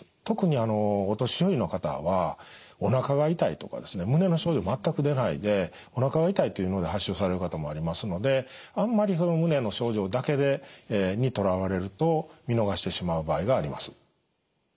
特にお年寄りの方はおなかが痛いとかですね胸の症状全く出ないでおなかが痛いというので発症される方もありますのであんまりその胸の症状だけにとらわれると見逃してしまう場合があります。